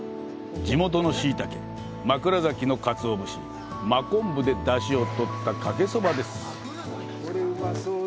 地元のシイタケ、枕崎のかつお節、真昆布で出汁を取ったかけそばです。